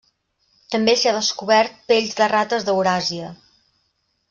També s'hi ha descobert pells de rates d'Euràsia.